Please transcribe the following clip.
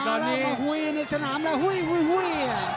เดินเข้ามาแล้วอันนี้